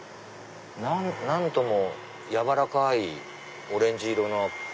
何ともやわらかいオレンジ色の。